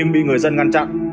vì người dân ngăn chặn